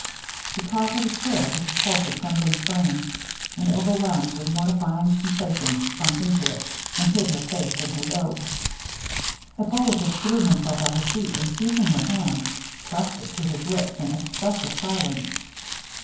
She caught at a chair to support her trembling frame; and overwhelmed with mortifying sensations, sunk into it, and hid her face in her robe. Hippolitus threw himself at her feet, and seizing her hand, pressed it to his lips in expressive silence.